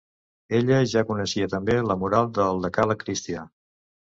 Ella, ja coneixia també la moral del decàleg cristià.